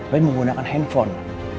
tapi menggunakan handphone